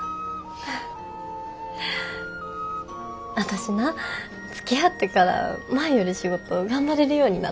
私なつきあってから前より仕事頑張れるようになった。